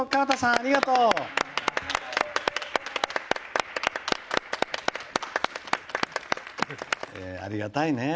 ありがたいね。